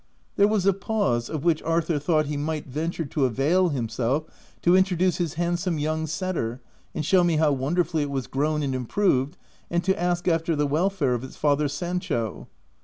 There was a pause of which Arthur thought he might venture to avail himself to introduce his handsome young setter and show me how wonderfully it was grown and improved, and to ask after the welfare of its father Sancho.